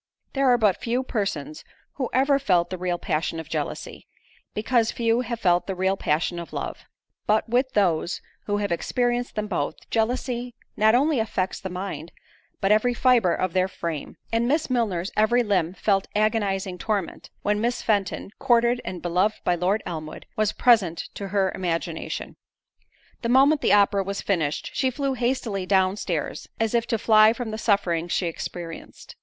There are but few persons who ever felt the real passion of jealousy, because few have felt the real passion of love; but with those who have experienced them both, jealousy not only affects the mind, but every fibre of their frame; and Miss Milner's every limb felt agonizing torment, when Miss Fenton, courted and beloved by Lord Elmwood, was present to her imagination. The moment the opera was finished, she flew hastily down stairs, as if to fly from the sufferings she experienced.